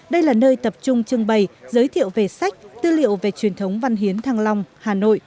đây là nơi tập trung trưng bày giới thiệu về sách tư liệu về truyền thống văn hiến thăng long hà nội